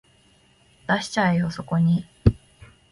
出しちゃえよそこに